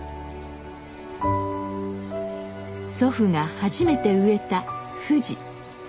祖父が初めて植えたふじ。